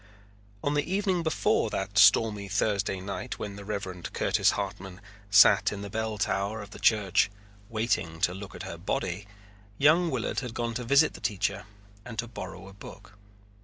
On the evening before that stormy Thursday night when the Reverend Curtis Hartman sat in the bell tower of the church waiting to look at her body, young Willard had gone to visit the teacher and to borrow a book.